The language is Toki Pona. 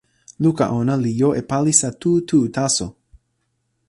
luka ona li jo e palisa tu tu taso.